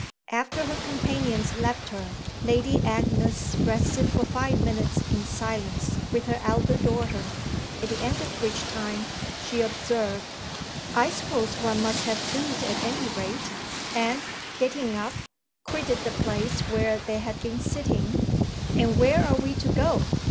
III After her companions left her Lady Agnes rested for five minutes in silence with her elder daughter, at the end of which time she observed: "I suppose one must have food at any rate," and, getting up, quitted the place where they had been sitting. "And where are we to go?